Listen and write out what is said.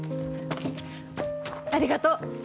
ありがとう！